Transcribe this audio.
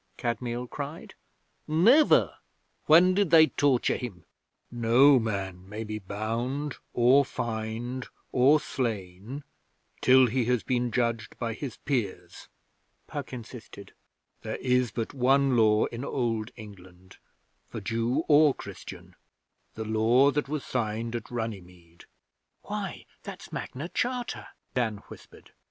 Kadmiel cried. 'Never! When did they torture him?' 'No man may be bound, or fined, or slain till he has been judged by his peers,' Puck insisted. 'There is but one Law in Old England for Jew or Christian the Law that was signed at Runnymede.' 'Why, that's Magna Charta!' Dan whispered.